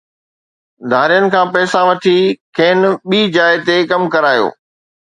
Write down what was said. ڌارين کان پئسا وٺي کين ٻي جاءِ تي ڪم ڪرايو